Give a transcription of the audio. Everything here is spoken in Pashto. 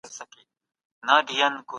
د شکرې ناروغي په احتیاط کنټرول کړئ.